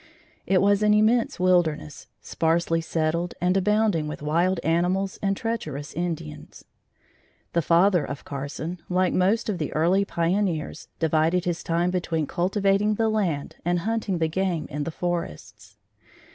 It was an immense wilderness, sparsely settled and abounding with wild animals and treacherous Indians. The father of Carson, like most of the early pioneers, divided his time between cultivating the land and hunting the game in the forests.